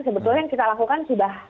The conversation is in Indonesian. sebetulnya yang kita lakukan sudah